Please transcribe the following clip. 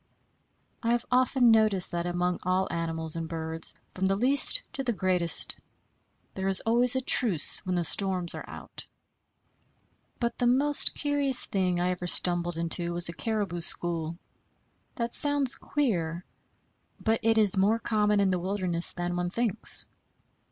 I have often noticed that among all animals and birds, from the least to the greatest, there is always a truce when the storms are out. But the most curious thing I ever stumbled into was a caribou school. That sounds queer; but it is more common in the wilderness than one thinks.